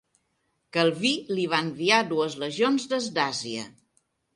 Calví li va enviar dues legions des d'Àsia.